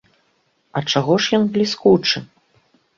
А чаго ж ён бліскучы?